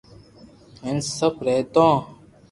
ھين شپ رھتو